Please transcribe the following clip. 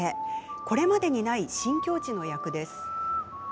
これまでにない新境地の役です。